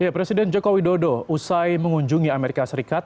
presiden joko widodo usai mengunjungi amerika serikat